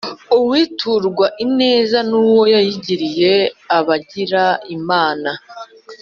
Uwiturwa ineza n’uwo yayigiriye aba agira Imana.